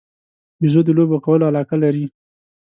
بیزو د لوبو کولو علاقه لري.